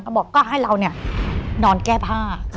บอกก็ให้เรานอนแก้ผ้า